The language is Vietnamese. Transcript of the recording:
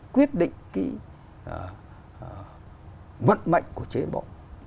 quyết định vận mệnh của chế bộ